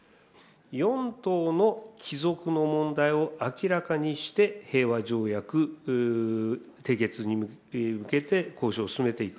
４島の帰属の問題を明らかにして、平和条約締結に向けて交渉を進めていく。